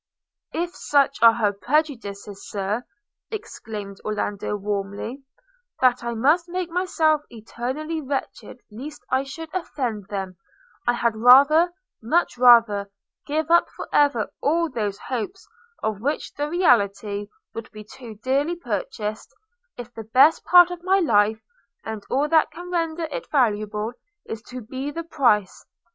'If such are her prejudices, Sir' exclaimed Orlando warmly, 'that I must make myself eternally wretched lest I should offend them, I had rather, much rather, give up for ever all those hopes, of which the reality would be too dearly purchased, if the best part of my life, and all that can render it valuable, is to be the price.